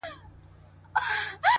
راته سور اور جوړ كړي تنور جوړ كړي _